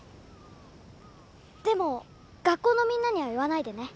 でも学校のみんなには言わないでね。